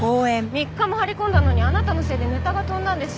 ３日も張り込んだのにあなたのせいでネタが飛んだんですよ？